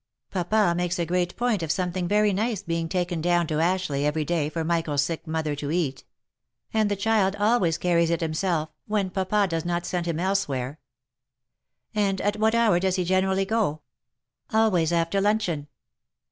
Papa makes a great point of something very nice being taken down to Ashleigh every day OP MICHAEL ARMSTRONG. 109 for Michael's sick mother to eat ; and the child always carries it him self, when papa does not send him elsewhere. "" And at what hour does he generally go V " Always after luncheon."